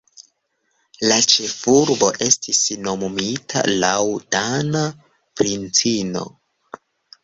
La ĉefurbo estis nomumita laŭ dana princino.